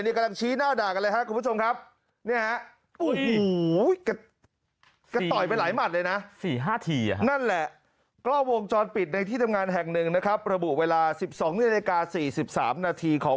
เนี้ยกำลังชี้หน้าดากอะไรฮะคุณผู้ชมครับเนี้ยฮะโอ้โห